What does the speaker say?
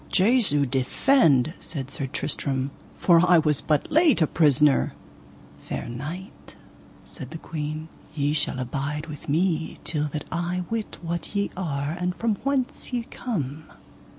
Jesu defend! said Sir Tristram, for I was but late a prisoner. Fair knight, said the queen, ye shall abide with me till that I wit what ye are and from whence ye come.